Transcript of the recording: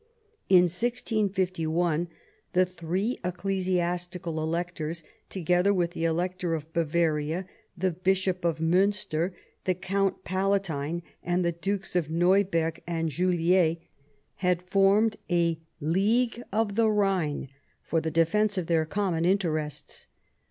In 1651 the three ecclesiastical electors, together with the , Elector of Bavaria, the Bishop of Miinster, the Count Palatine, and the Dukes of Neuburg and Juliers, had formed a League of the Khine for the defence of their common interests.